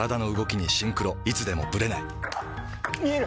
いつでもブレない見える！